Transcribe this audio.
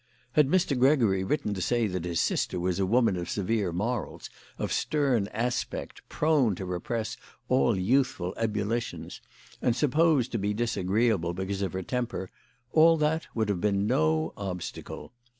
Had Mr. Gregory written to say that his sister was a woman of severe morals, of stern aspect, prone to repress all youthful ebullitions, and supposed to be disagreeable because of her temper, all that would have been no obstacle.